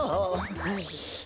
はい。